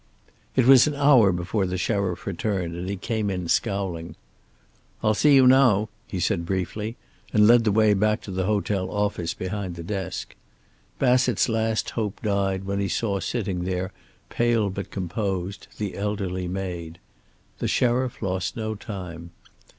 It was an hour before the sheriff returned, and he came in scowling. "I'll see you now," he said briefly, and led the way back to the hotel office behind the desk. Bassett's last hope died when he saw sitting there, pale but composed, the elderly maid. The sheriff lost no time.